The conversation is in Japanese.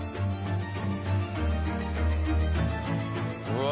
うわ！